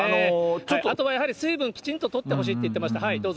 あとはやっぱり水分きちんととってほしいって言ってました。